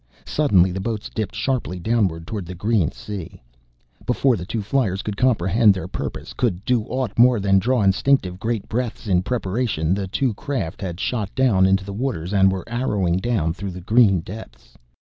Suddenly the boats dipped sharply downward toward the green sea. Before the two fliers could comprehend their purpose, could do aught more than draw instinctive great breaths in preparation, the two craft had shot down into the waters and were arrowing down through the green depths.